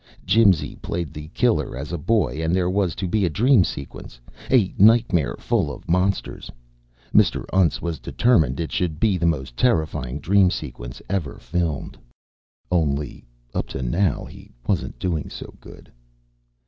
Jimsy played the killer as a boy and there was to be a dream sequence, a nightmare full of monsters. Mr. Untz was determined it should be the most terrifying dream sequence ever filmed. Only up to now he wasn't doing so good.